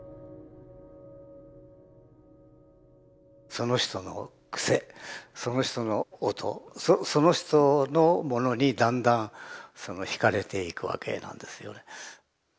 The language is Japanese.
その人の癖その人の音その人のものにだんだんひかれていくわけなんですよね。